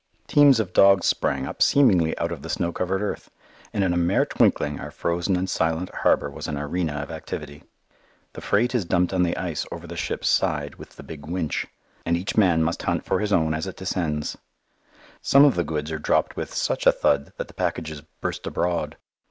Teams of dogs sprang up seemingly out of the snow covered earth, and in a mere twinkling our frozen and silent harbour was an arena of activity. The freight is dumped on the ice over the ship's side with the big winch, and each man must hunt for his own as it descends. Some of the goods are dropped with such a thud that the packages "burst abroad."